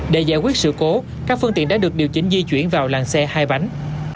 để giải quyết sự cố các phương tiện đã được điều chỉnh di chuyển vào làng xe hai bánh